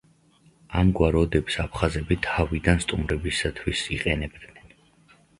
ამგვარ ოდებს აფხაზები თავიდან სტუმრებისათვის იყენებდნენ.